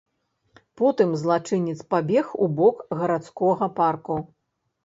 Потым злачынец пабег у бок гарадскога парку.